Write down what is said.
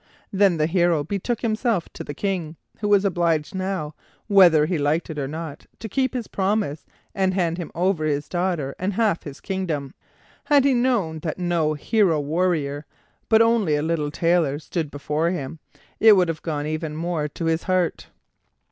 Then the hero betook himself to the King, who was obliged now, whether he liked it or not, to keep his promise, and hand him over his daughter and half his kingdom. Had he known that no hero warrior, but only a little tailor, stood before him, it would have gone even more to his heart.